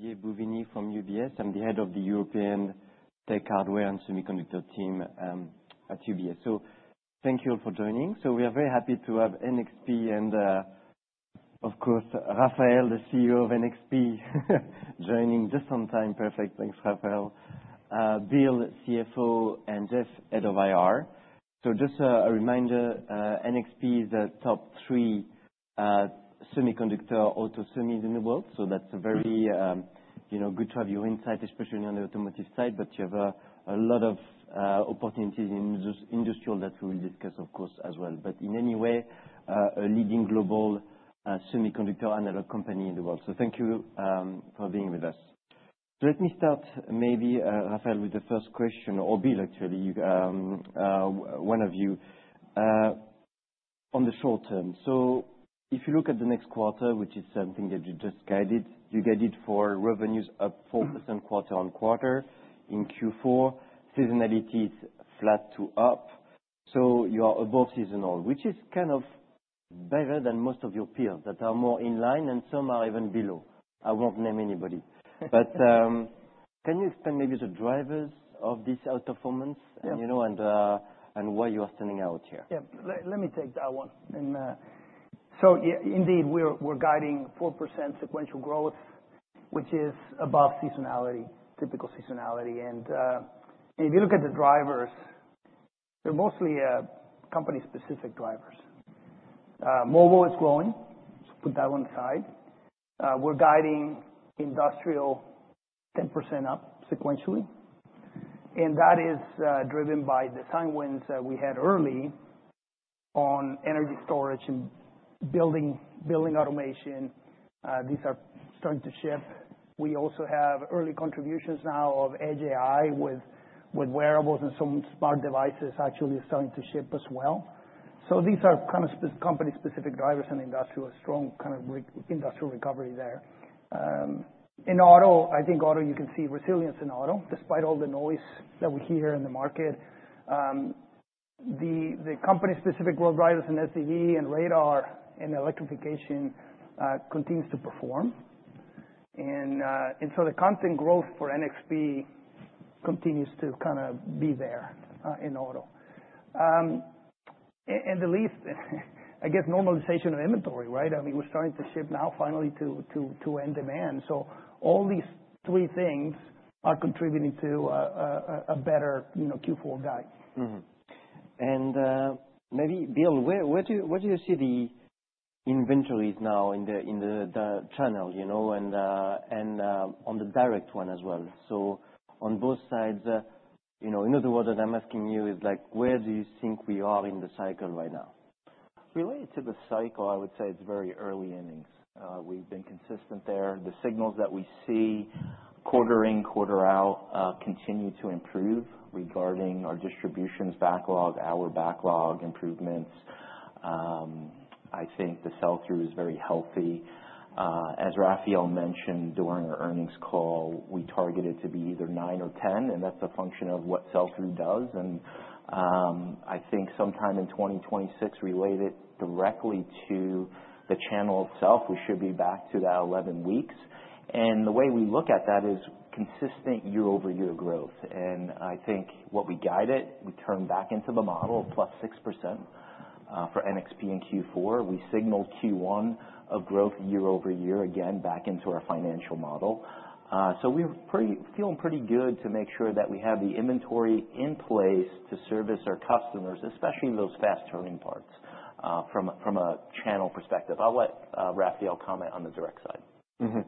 François-Xavier Bouvignies from UBS. I'm the head of the European Tech Hardware and Semiconductor team at UBS. So thank you all for joining. So we are very happy to have NXP and, of course, Rafael, the CEO of NXP, joining just on time. Perfect. Thanks, Rafael. Bill, CFO, and Jeff, head of IR. So just a reminder, NXP is a top three semiconductor auto semis in the world. So that's very, you know, good to have your insight, especially on the automotive side, but you have a lot of opportunities in industrial that we will discuss, of course, as well. But in any way, a leading global semiconductor analog company in the world. So thank you for being with us. So let me start maybe, Rafael, with the first question, or Bill, actually, one of you. On the short term, so if you look at the next quarter, which is something that you just guided, you guide it for revenues up 4% quarter-on-quarter in Q4. Seasonality is flat to up, so you are above seasonal, which is kind of better than most of your peers that are more in line, and some are even below. I won't name anybody. But, can you explain maybe the drivers of this outperformance? Yeah. You know, why you are standing out here? Yeah. Let me take that one. And, so yeah, indeed, we're, we're guiding 4% sequential growth, which is above seasonality, typical seasonality. And, if you look at the drivers, they're mostly, company-specific drivers. Mobile is growing, put that one aside. We're guiding industrial 10% up sequentially, and that is, driven by the tailwinds that we had early on energy storage and building automation. These are starting to ship. We also have early contributions now of Edge AI with wearables and some smart devices actually starting to ship as well. So these are kind of company-specific drivers in industrial, strong kind of industrial recovery there. In auto, I think auto, you can see resilience in auto, despite all the noise that we hear in the market. The company-specific growth drivers in SDV and radar and electrification continues to perform. And so the content growth for NXP continues to kind of be there in auto. And at least, I guess, normalization of inventory, right? I mean, we're starting to ship now finally to end demand. So all these three things are contributing to a better, you know, Q4 guide. Mm-hmm. Maybe Bill, where do you see the inventories now in the channel, you know, and on the direct one as well? So on both sides, you know, in other words, what I'm asking you is like, where do you think we are in the cycle right now? Related to the cycle, I would say it's very early innings. We've been consistent there. The signals that we see quarter in, quarter out, continue to improve regarding our distributions backlog, our backlog improvements. I think the sell-through is very healthy. As Rafael mentioned during the earnings call, we targeted to be either 9 or 10, and that's a function of what sell-through does. And, I think sometime in 2026, related directly to the channel itself, we should be back to that 11 weeks. And the way we look at that is consistent year-over-year growth. And I think what we guided, we turned back into the model, plus 6%, for NXP in Q4. We signaled Q1 of growth year-over-year, again, back into our financial model. So we're feeling pretty good to make sure that we have the inventory in place to service our customers, especially in those fast-turning parts, from a channel perspective. I'll let Rafael comment on the direct side. Mm-hmm.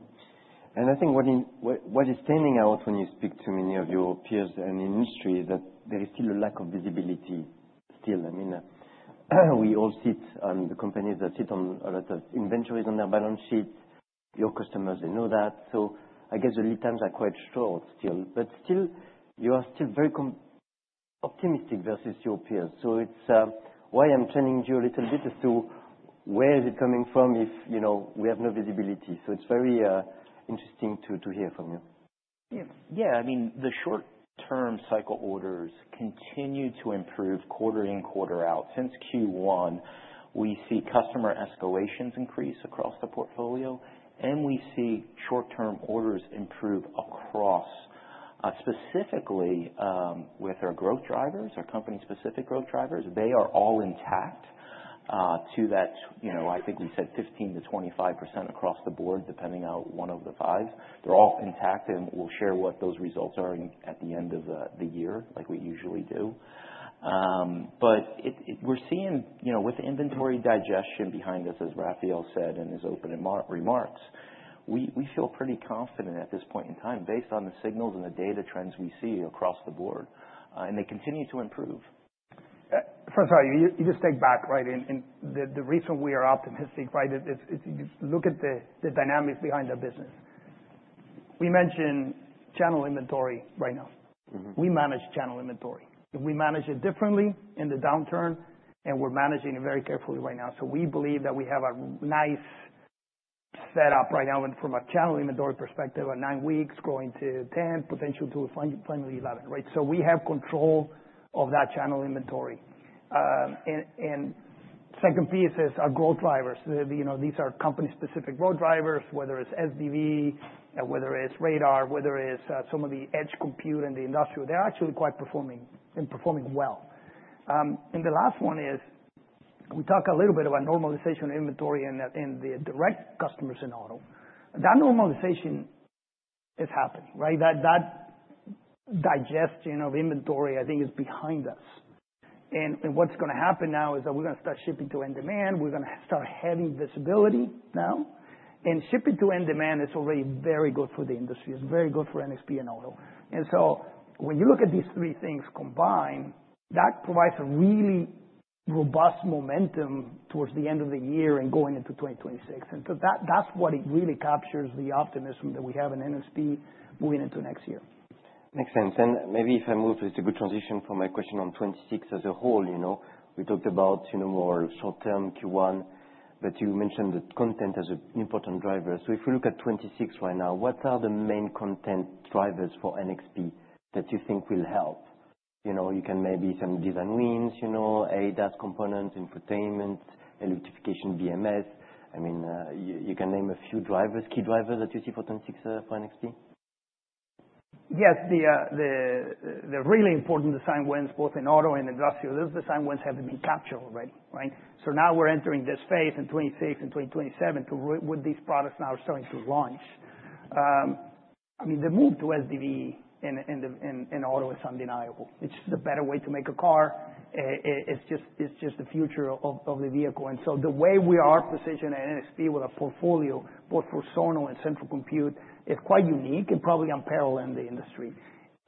And I think what is standing out when you speak to many of your peers in the industry, that there is still a lack of visibility still. I mean, we all sit on the companies that sit on a lot of inventories on their balance sheet. Your customers, they know that. So I guess the lead times are quite short still, but still, you are still very com- optimistic versus your peers. So it's why I'm challenging you a little bit as to where is it coming from, if, you know, we have no visibility. So it's very interesting to hear from you. Yeah. I mean, the short-term cycle orders continue to improve quarter in, quarter out. Since Q1, we see customer escalations increase across the portfolio, and we see short-term orders improve across, specifically, with our growth drivers, our company-specific growth drivers. They are all intact, to that, you know, I think we said 15%-25% across the board, depending on one of the five. They're all intact, and we'll share what those results are in, at the end of, the year, like we usually do. But it. We're seeing, you know, with the inventory digestion behind us, as Rafael said in his opening remarks, we feel pretty confident at this point in time based on the signals and the data trends we see across the board, and they continue to improve. So sorry, you just take back, right? And the reason we are optimistic, right, is if you look at the dynamics behind our business. We mentioned channel inventory right now. Mm-hmm. We manage channel inventory. We managed it differently in the downturn, and we're managing it very carefully right now. So we believe that we have a nice setup right now and from a channel inventory perspective, at 9 weeks, growing to 10, potentially to finally 11, right? So we have control of that channel inventory. Second piece is our growth drivers. You know, these are company-specific growth drivers, whether it's SDV, whether it's radar, whether it's some of the edge compute and the industrial, they're actually quite performing and performing well. And the last one is, we talked a little bit about normalization of inventory and that in the direct customers in auto. That normalization is happening, right? That digestion of inventory, I think, is behind us. And what's gonna happen now is that we're gonna start shipping to end demand. We're gonna start having visibility now, and shipping to end demand is already very good for the industry. It's very good for NXP and auto. And so when you look at these three things combined, that provides a really robust momentum towards the end of the year and going into 2026. And so that, that's what it really captures, the optimism that we have in NXP oving into next year. Makes sense. Maybe if I move, it's a good transition for my question on 2026 as a whole, you know. We talked about, you know, more short-term Q1, but you mentioned that content as an important driver. If you look at 2026 right now, what are the main content drivers for NXP that you think will help? You know, you can maybe some design wins, you know, ADAS components, infotainment, electrification, BMS. I mean, you can name a few drivers, key drivers that you see for 2026, for NXP. Yes, the really important design wins, both in auto and industrial, those design wins have been captured already, right? So now we're entering this phase in 2026 and 2027 with these products now starting to launch. I mean, the move to SDV in auto is undeniable. It's the better way to make a car. It's just the future of the vehicle. And so the way we are positioned at NXP with our portfolio, both for zonal and central compute, is quite unique and probably unparalleled in the industry.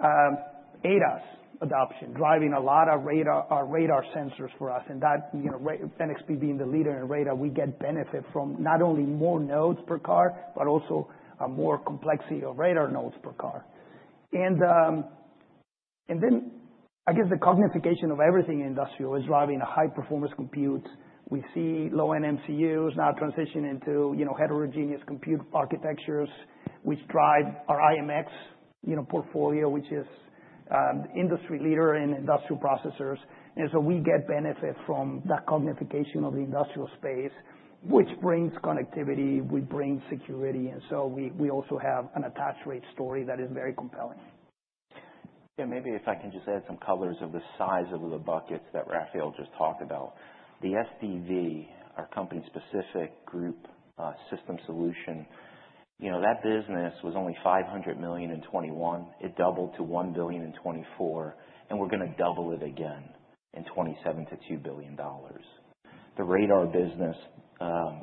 ADAS adoption, driving a lot of radar or radar sensors for us, and that, you know, NXP being the leader in radar, we get benefit from not only more nodes per car, but also more complexity of radar nodes per car. Then I guess the cognification of everything industrial is driving a high performance compute. We see low-end MCUs now transitioning into, you know, heterogeneous compute architectures, which drive our i.MX, you know, portfolio, which is industry leader in industrial processors. And so we get benefit from that cognification of the industrial space, which brings connectivity, we bring security, and so we also have an attach rate story that is very compelling. Yeah, maybe if I can just add some colors of the size of the buckets that Rafael just talked about. The SDV, our company-specific group, system solution, you know, that business was only $500 million in 2021. It doubled to $1 billion in 2024, and we're gonna double it again in 2027 to $2 billion. The radar business,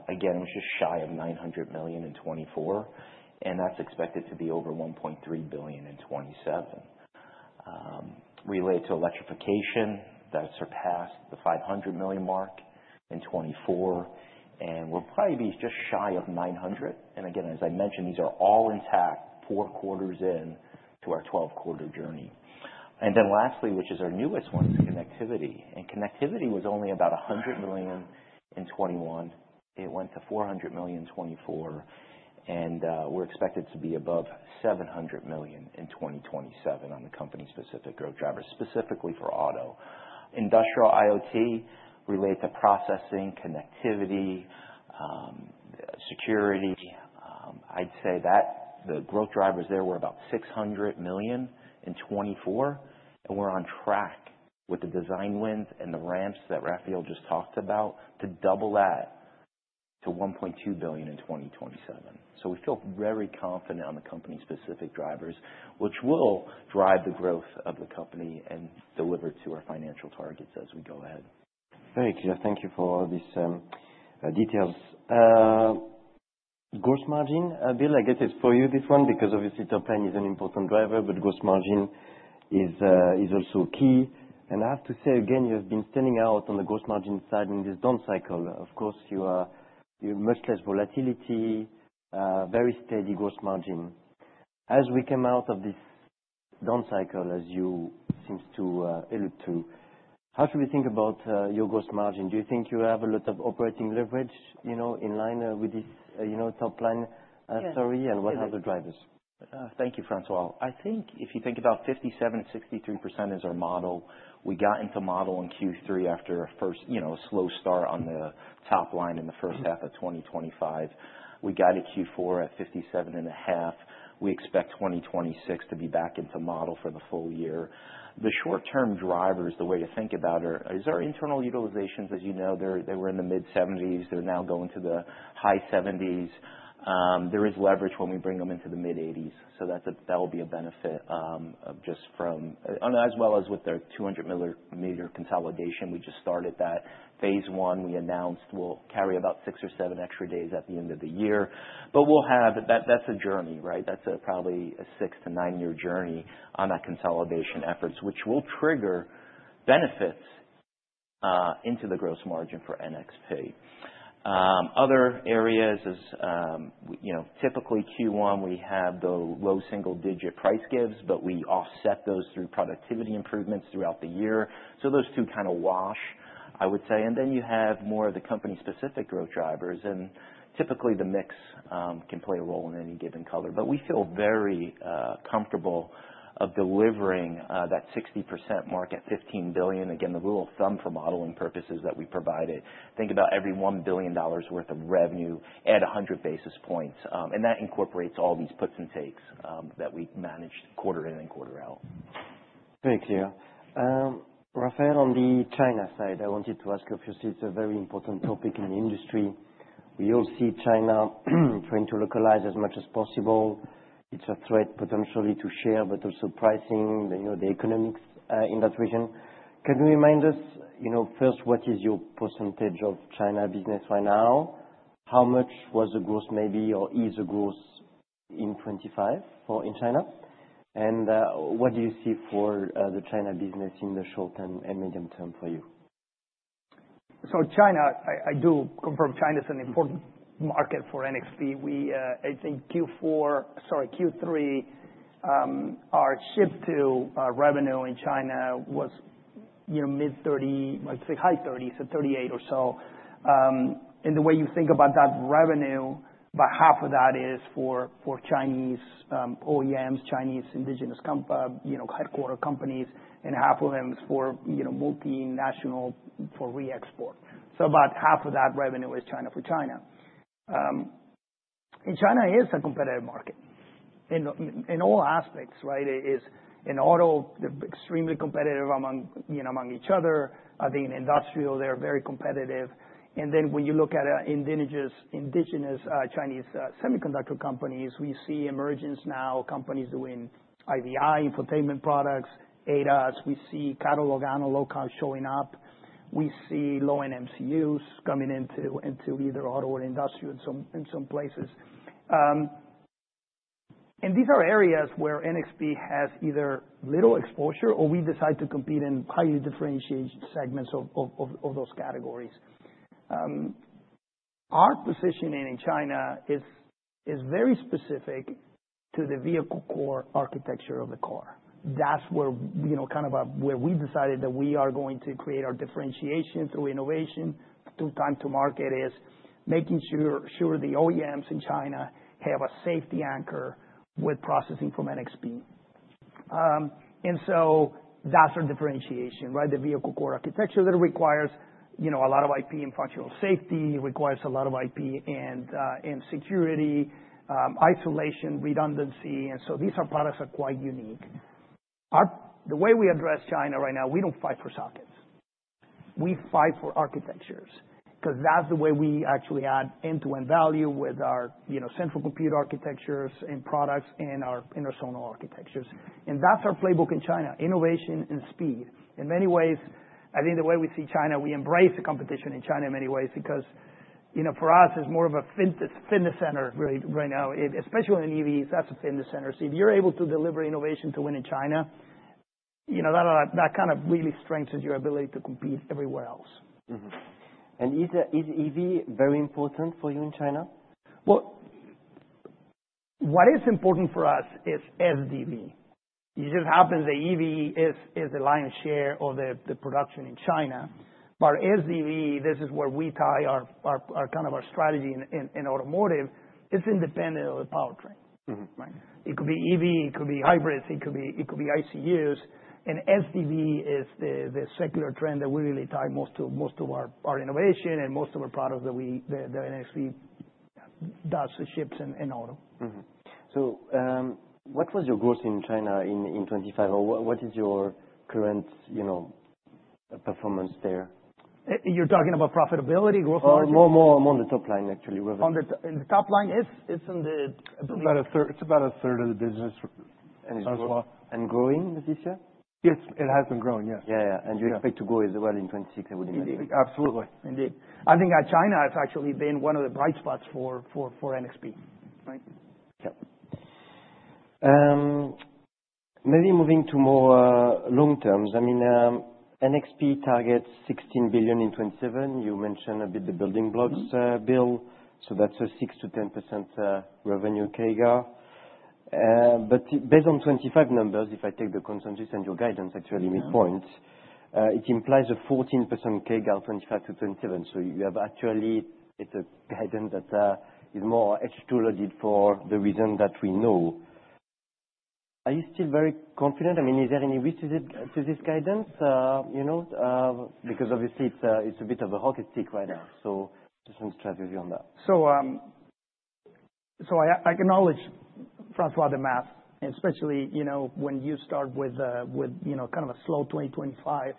again, was just shy of $900 million in 2024, and that's expected to be over $1.3 billion in 2027. Related to electrification, that surpassed the $500 million mark in 2024, and will probably be just shy of $900 million. And again, as I mentioned, these are all intact four quarters in to our twelve-quarter journey. And then lastly, which is our newest one, is connectivity. And connectivity was only about $100 million in 2021. It went to $400 million in 2024, and we're expected to be above $700 million in 2027 on the company-specific growth drivers, specifically for auto. Industrial IoT relate to processing, connectivity, security. I'd say that the growth drivers there were about $600 million in 2024, and we're on track with the design wins and the ramps that Rafael just talked about, to double that to $1.2 billion in 2027. So we feel very confident on the company-specific drivers, which will drive the growth of the company and deliver to our financial targets as we go ahead. Very clear. Thank you for all these, details. Gross margin, Bill, I guess it's for you, this one, because obviously top line is an important driver, but gross margin is, is also key. And I have to say again, you have been standing out on the gross margin side in this down cycle. Of course, you are, you're much less volatility, very steady gross margin. As we come out of this down cycle, as you seems to, allude to, how should we think about, your gross margin? Do you think you have a lot of operating leverage, you know, in line, with this, you know, top line, story, and what are the drivers? Thank you, François. I think if you think about 57, 63% is our model. We got into model in Q3 after a first, you know, slow start on the top line in the first half of 2025. We guided Q4 at 57.5. We expect 2026 to be back into model for the full year. The short-term drivers, the way to think about it, is our internal utilizations, as you know, they were in the mid-70s. They're now going to the high 70s. There is leverage when we bring them into the mid-80s, so that's a, that will be a benefit, just from... And as well as with their $200 million consolidation, we just started that. Phase one, we announced, will carry about 6 or 7 extra days at the end of the year. But we'll have... That, that's a journey, right? That's probably a 6-9-year journey on our consolidation efforts, which will trigger benefits into the gross margin for NXP. Other areas is, you know, typically Q1, we have the low single-digit price gives, but we offset those through productivity improvements throughout the year. So those two kind of wash. I would say, and then you have more of the company-specific growth drivers, and typically the mix can play a role in any given color. But we feel very comfortable of delivering that 60% mark at $15 billion. Again, the rule of thumb for modeling purposes that we provided, think about every $1 billion worth of revenue at 100 basis points, and that incorporates all these puts and takes that we manage quarter in and quarter out. Thanks, Leo. Rafael, on the China side, I wanted to ask you, obviously, it's a very important topic in the industry. We all see China trying to localize as much as possible. It's a threat potentially to share, but also pricing, you know, the economics in that region. Can you remind us, you know, first, what is your percentage of China business right now? How much was the growth maybe, or is the growth in 2025 or in China? And, what do you see for the China business in the short term and medium term for you? So China, I do confirm China is an important market for NXP. We, I think Q4, sorry, Q3, our ship to revenue in China was, you know, mid-30, like I say, high 30s, so 38 or so. And the way you think about that revenue, about half of that is for Chinese OEMs, Chinese indigenous companies, you know, headquarter companies, and half of them is for, you know, multinational for re-export. So about half of that revenue is China, for China. And China is a competitive market in all aspects, right? It is in auto, they're extremely competitive among, you know, among each other. I think in industrial, they're very competitive. And then when you look at indigenous Chinese semiconductor companies, we see emergence now, companies doing IVI, infotainment products, ADAS. We see catalog analog low cost showing up. We see low-end MCUs coming into either auto or industrial in some places. And these are areas where NXP has either little exposure or we decide to compete in highly differentiated segments of those categories. Our positioning in China is very specific to the vehicle core architecture of the car. That's where, you know, kind of, where we decided that we are going to create our differentiation through innovation, through time to market, is making sure the OEMs in China have a safety anchor with processing from NXP. And so that's our differentiation, right? The vehicle core architecture that requires, you know, a lot of IP and functional safety. Requires a lot of IP and security, isolation, redundancy, and so these products are quite unique. The way we address China right now, we don't fight for sockets. We fight for architectures, 'cause that's the way we actually add end-to-end value with our, you know, central compute architectures and products and our zonal architectures. That's our playbook in China, innovation and speed. In many ways, I think the way we see China, we embrace the competition in China in many ways, because, you know, for us, it's more of a fitness center right now, especially in EVs, that's a fitness center. So if you're able to deliver innovation to win in China, you know, that kind of really strengthens your ability to compete everywhere else. Mm-hmm. Is EV very important for you in China? Well, what is important for us is SDV. It just happens that EV is the lion's share of the production in China. But SDV, this is where we tie our kind of strategy in automotive, is independent of the powertrain. Mm-hmm. Right? It could be EV, it could be hybrids, it could be ICE, and SDV is the secular trend that we really tie most of our innovation and most of our products that we ship in auto. Mm-hmm. So, what was your growth in China in 2025, or what is your current, you know, performance there? You're talking about profitability, gross margin? More, more on the top line, actually. In the top line, it's in the- About a third, it's about a third of the business, François. Growing this year? Yes, it has been growing, yes. Yeah, yeah. Yeah. You expect to grow as well in 2026, I would imagine. Absolutely. Indeed. I think, China has actually been one of the bright spots for NXP. Right? Yep. Maybe moving to more long term. I mean, NXP targets $16 billion in 2027. You mentioned a bit the building blocks, build, so that's a 6%-10% revenue CAGR. But based on 2025 numbers, if I take the consensus and your guidance, actually, midpoint Yeah it implies a 14% CAGR 2025-2027. So you have actually, it's a guidance that is more hockey stick for the reason that we know. Are you still very confident? I mean, is there any risk to this, to this guidance? You know, because obviously it's a, it's a bit of a hockey stick right now, so just want to check with you on that. So, I acknowledge, François, the math, especially, you know, when you start with, with, you know, kind of a slow 2025.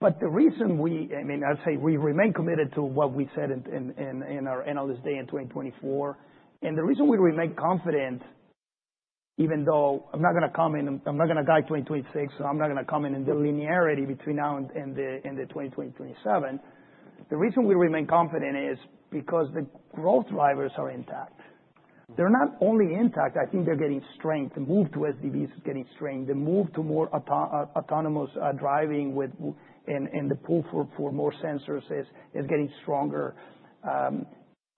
But the reason we, I mean, I'll say we remain committed to what we said in our analyst day in 2024. And the reason we remain confident, even though I'm not gonna comment, I'm not gonna guide 2026, so I'm not gonna comment on the linearity between now and the 2027. The reason we remain confident is because the growth drivers are intact. They're not only intact, I think they're getting strength. The move to SDV is getting strength. The move to more autonomous driving and the pull for more sensors is getting stronger.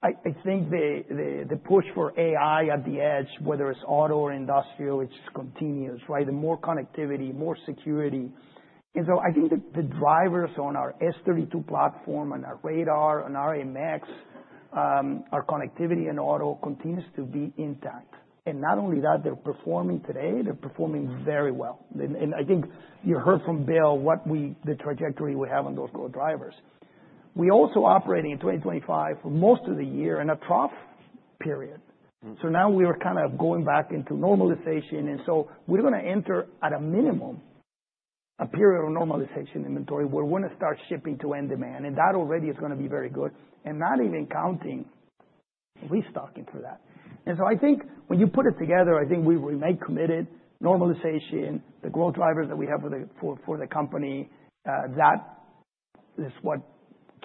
I think the push for AI at the edge, whether it's auto or industrial, it's continuous, right? And more connectivity, more security. And so I think the drivers on our S32 platform, on our radar, on our i.MX, our connectivity and auto continues to be intact. And not only that, they're performing today, they're performing very well. And I think you heard from Bill, the trajectory we have on those growth drivers. We're also operating in 2025 for most of the year in a trough period. So now we are kind of going back into normalization, and so we're gonna enter, at a minimum, a period of normalization inventory, where we're gonna start shipping to end demand, and that already is gonna be very good, and not even counting restocking for that. And so I think when you put it together, I think we remain committed, normalization, the growth drivers that we have with the for the company, that is what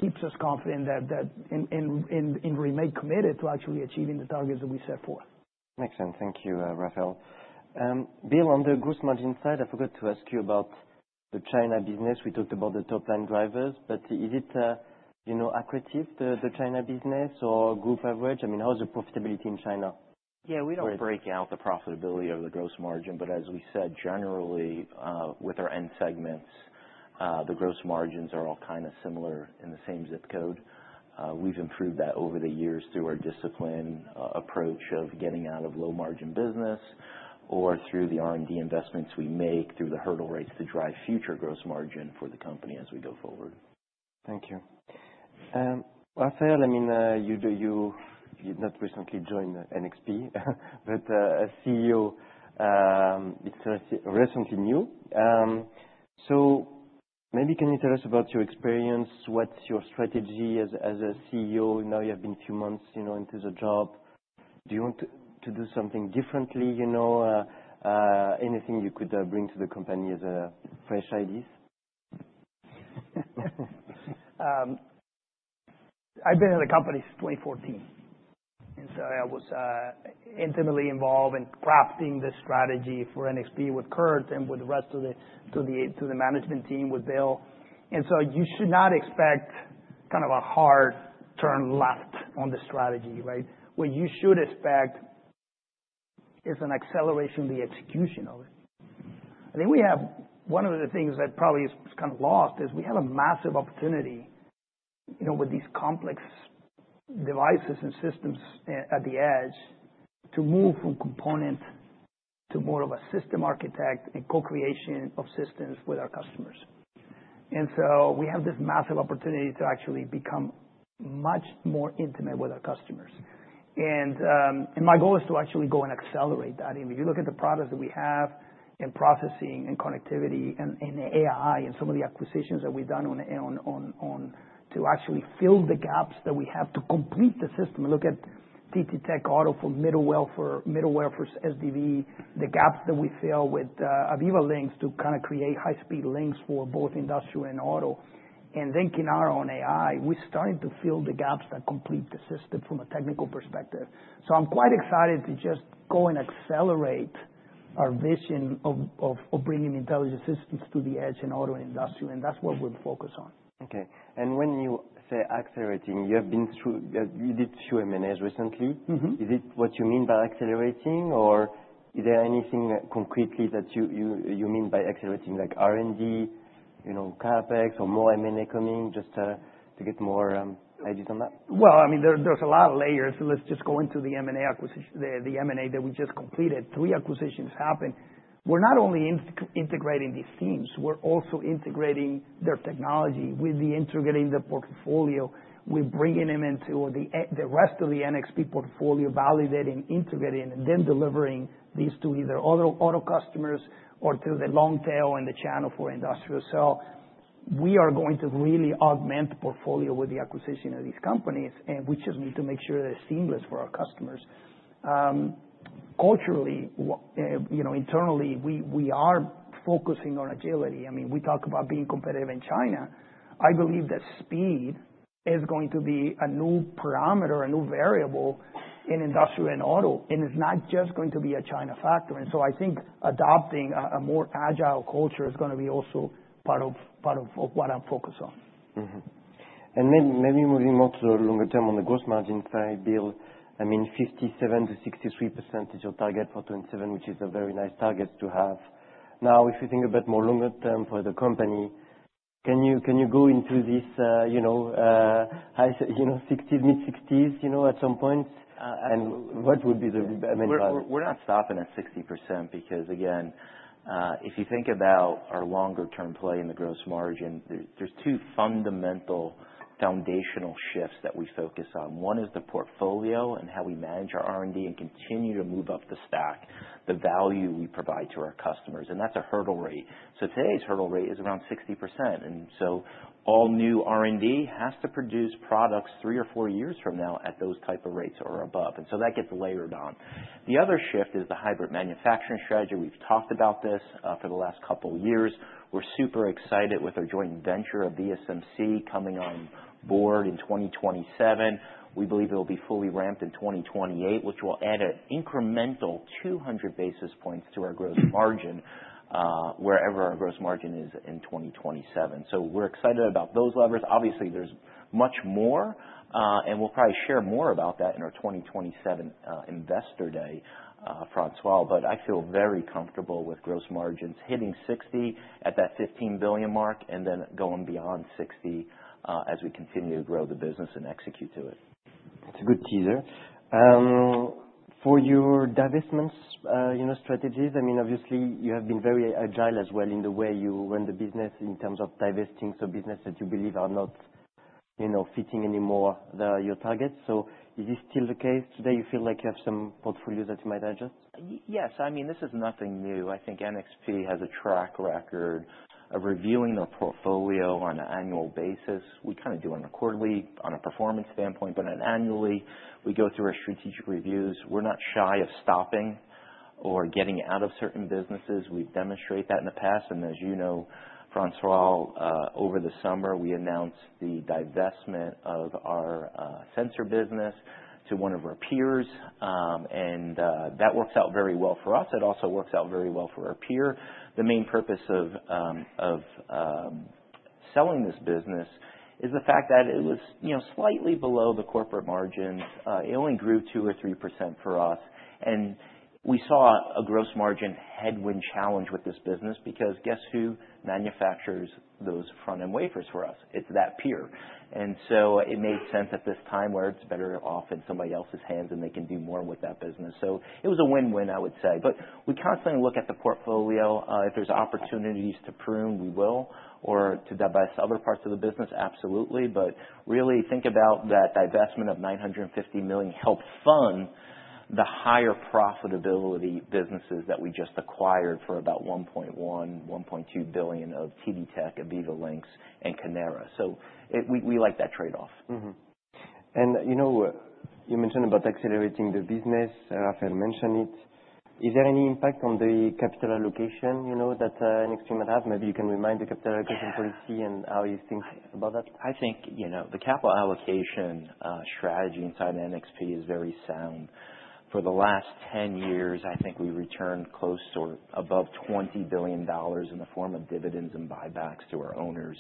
keeps us confident that we remain committed to actually achieving the targets that we set forth. Makes sense. Thank you, Rafael. Bill, on the gross margin side, I forgot to ask you about the China business. We talked about the top line drivers, but is it, you know, accretive, the, the China business or group average? I mean, how is the profitability in China? Yeah, we don't break out the profitability of the gross margin, but as we said, generally, with our end segments, the gross margins are all kind of similar in the same zip code. We've improved that over the years through our disciplined approach of getting out of low margin business or through the R&D investments we make through the hurdle rates to drive future gross margin for the company as we go forward. Thank you. Rafael, I mean, you did not recently join NXP, but as CEO, it's recently new. So maybe can you tell us about your experience? What's your strategy as a CEO? Now, you have been few months, you know, into the job. Do you want to do something differently, you know, anything you could bring to the company as a fresh ideas? I've been at the company since 2014, and so I was intimately involved in crafting the strategy for NXP with Kurt and with the rest of the management team, with Bill. And so you should not expect kind of a hard turn left on the strategy, right? What you should expect is an acceleration of the execution of it. I think we have one of the things that probably is kind of lost is we have a massive opportunity, you know, with these complex devices and systems at the edge, to move from component to more of a system architect and co-creation of systems with our customers. And so we have this massive opportunity to actually become much more intimate with our customers. And my goal is to actually go and accelerate that. I mean, if you look at the products that we have in processing and connectivity and AI and some of the acquisitions that we've done on to actually fill the gaps that we have to complete the system, look at TTTech Auto for middleware for SDV, the gaps that we fill with Aviva Links to kind of create high-speed links for both industrial and auto. And then Kinara on AI, we're starting to fill the gaps that complete the system from a technical perspective. So I'm quite excited to just go and accelerate our vision of bringing intelligent systems to the edge in auto and industrial, and that's what we're focused on. Okay. And when you say accelerating, you have been through, you did two M&As recently. Mm-hmm. Is it what you mean by accelerating, or is there anything concretely that you mean by accelerating, like R&D, you know, CapEx or more M&A coming, just to get more ideas on that? Well, I mean, there, there's a lot of layers. Let's just go into the M&A that we just completed. Three acquisitions happened. We're not only integrating these teams, we're also integrating their technology. We've been integrating the portfolio. We're bringing them into the rest of the NXP portfolio, validating, integrating, and then delivering these to either auto customers or to the long tail and the channel for industrial. So we are going to really augment the portfolio with the acquisition of these companies, and we just need to make sure they're seamless for our customers. Culturally, you know, internally, we are focusing on agility. I mean, we talk about being competitive in China. I believe that speed is going to be a new parameter, a new variable in industrial and auto, and it's not just going to be a China factor. And so I think adopting a, a more agile culture is gonna be also part of, part of, of what I'm focused on. Mm-hmm. And maybe moving more to the longer term on the gross margin side, Bill, I mean, 57%-63% target for 2027, which is a very nice target to have. Now, if you think about more longer term for the company, can you go into this, you know, high 60s, mid-60s, you know, at some point? And what would be the, I mean- We're not stopping at 60% because, again, if you think about our longer term play in the gross margin, there's two fundamental foundational shifts that we focus on. One is the portfolio and how we manage our R&D and continue to move up the stack, the value we provide to our customers, and that's a hurdle rate. So today's hurdle rate is around 60%, and so all new R&D has to produce products 3 or 4 years from now at those type of rates or above, and so that gets layered on. The other shift is the hybrid manufacturing strategy. We've talked about this for the last couple of years. We're super excited with our joint venture of VSMC coming on board in 2027. We believe it'll be fully ramped in 2028, which will add an incremental 200 basis points to our gross margin, wherever our gross margin is in 2027. So we're excited about those levers. Obviously, there's much more, and we'll probably share more about that in our 2027 Investor Day, François. But I feel very comfortable with gross margins hitting 60 at that $15 billion mark, and then going beyond 60, as we continue to grow the business and execute to it. It's a good teaser. For your divestments, you know, strategies, I mean, obviously, you have been very agile as well in the way you run the business in terms of divesting, so business that you believe are not, you know, fitting anymore, your targets. So is this still the case today? You feel like you have some portfolios that you might adjust? Yes, I mean, this is nothing new. I think NXP has a track record of reviewing the portfolio on an annual basis. We kind of do it on a quarterly, on a performance standpoint, but annually, we go through our strategic reviews. We're not shy of stopping or getting out of certain businesses. We've demonstrated that in the past, and as you know, François, over the summer, we announced the divestment of our sensor business to one of our peers. And that works out very well for us. It also works out very well for our peer. The main purpose of selling this business is the fact that it was, you know, slightly below the corporate margins. It only grew 2% or 3% for us. And we saw a gross margin headwind challenge with this business, because guess who manufactures those front-end wafers for us? It's that peer. And so it made sense at this time, where it's better off in somebody else's hands, and they can do more with that business. So it was a win-win, I would say. But we constantly look at the portfolio. If there's opportunities to prune, we will, or to divest other parts of the business, absolutely. But really think about that divestment of $950 million helped fund the higher profitability businesses that we just acquired for about $1.1-$1.2 billion of TTTech Auto, Aviva Links and Kinara. So we like that trade-off. Mm-hmm. And, you know, you mentioned about accelerating the business, Rafael mentioned it. Is there any impact on the capital allocation, you know, that, NXP might have? Maybe you can remind the capital allocation policy and how you think about that. I think, you know, the capital allocation strategy inside NXP is very sound. For the last 10 years, I think we returned close to above $20 billion in the form of dividends and buybacks to our owners.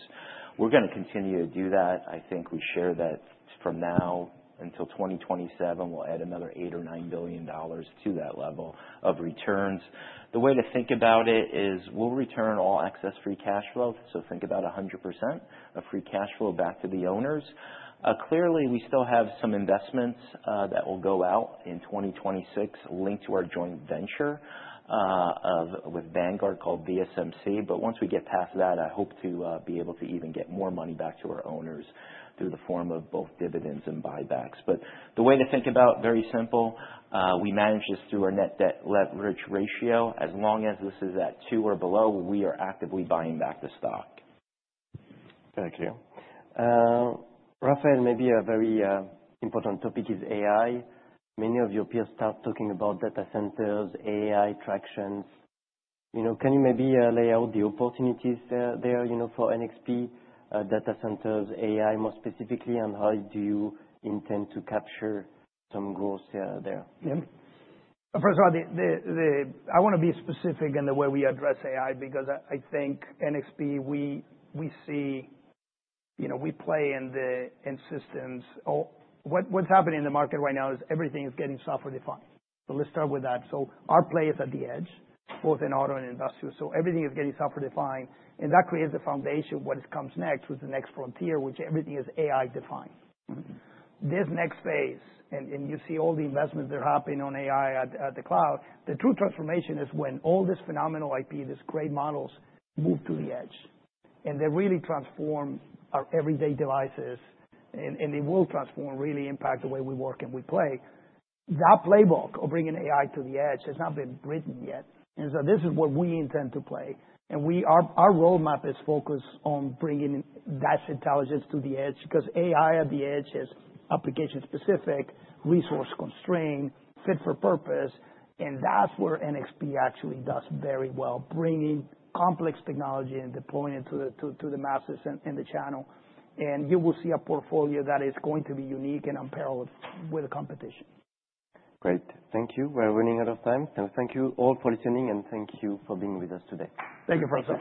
We're gonna continue to do that. I think we share that from now until 2027, we'll add another $8 billion or $9 billion to that level of returns. The way to think about it is, we'll return all excess free cash flow, so think about 100% of free cash flow back to the owners. Clearly, we still have some investments that will go out in 2026, linked to our joint venture with Vanguard, called VSMC. But once we get past that, I hope to be able to even get more money back to our owners through the form of both dividends and buybacks. But the way to think about, very simple, we manage this through our net debt leverage ratio. As long as this is at two or below, we are actively buying back the stock. Thank you. Rafael, maybe a very important topic is AI. Many of your peers start talking about data centers, AI traction. You know, can you maybe lay out the opportunities there, there, you know, for NXP, data centers, AI more specifically, and how do you intend to capture some growth there? Yeah. First of all, I wanna be specific in the way we address AI, because I think NXP, we see, you know, we play in systems. Oh, what's happening in the market right now is everything is getting software defined. So let's start with that. So our play is at the edge, both in auto and industrial. So everything is getting software defined, and that creates the foundation of what comes next with the next frontier, which everything is AI defined. Mm-hmm. This next phase, you see all the investments that are happening on AI at the cloud. The true transformation is when all this phenomenal IP, these great models, move to the edge, and they really transform our everyday devices, and they will transform, really impact the way we work and we play. That playbook of bringing AI to the edge has not been written yet, and so this is where we intend to play. And our roadmap is focused on bringing that intelligence to the edge, because AI at the edge is application specific, resource constrained, fit for purpose, and that's where NXP actually does very well, bringing complex technology and deploying it to the masses and in the channel. You will see a portfolio that is going to be unique and unparalleled with the competition. Great. Thank you. We're running out of time. And thank you all for listening, and thank you for being with us today. Thank you, François.